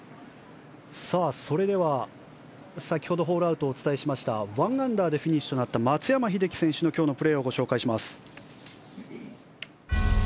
それでは、先ほどホールアウトをお伝えしました１アンダーでフィニッシュとなった松山英樹選手の今日のプレーをご紹介します。